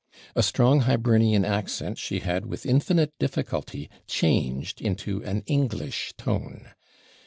A strong, Hibernian accent, she had, with infinite difficulty, changed into an English tone.